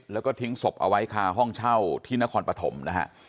แล้วก็ทิ้งศพเอาไว้คาห้องเช่าที่นครปฐมนะฮะ